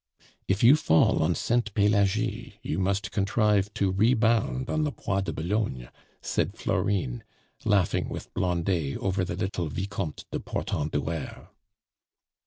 "If you fall on Sainte Pelagie, you must contrive to rebound on the Bois de Boulogne," said Florine, laughing with Blondet over the little Vicomte de Portenduere.